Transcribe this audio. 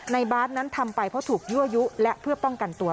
บาทนั้นทำไปเพราะถูกยั่วยุและเพื่อป้องกันตัว